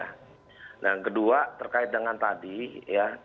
nah yang kedua terkait dengan tadi ya